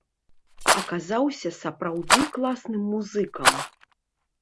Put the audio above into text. Аказаўся, сапраўды класным музыкам.